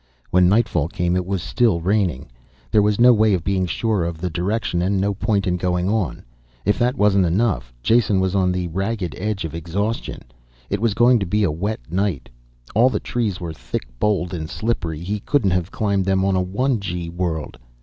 When nightfall came it was still raining. There was no way of being sure of the direction, and no point in going on. If that wasn't enough, Jason was on the ragged edge of exhaustion. It was going to be a wet night. All the trees were thick boled and slippery, he couldn't have climbed them on a one G world.